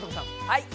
はい。